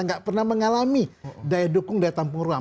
nggak pernah mengalami daya dukung daya tampung ruang